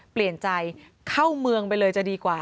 เปลี่ยนใจเข้าเมืองไปเลยจะดีกว่า